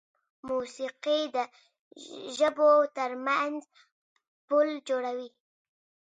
موسیقي د ژبو تر منځ پل جوړوي.